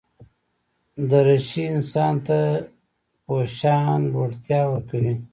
دریشي انسان ته یو شان لوړتیا ورکوي.